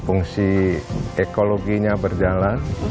fungsi ekologinya berjalan